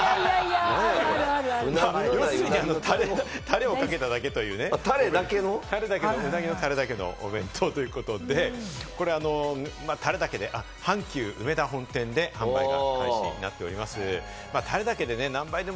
要するに、たれをかけただけという、鰻のたれだけのお弁当ということで、タレだけで、阪急梅田本店で販売開始になっています。